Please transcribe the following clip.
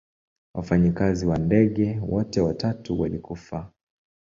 Wafanyikazi wa ndege wote watatu walikufa.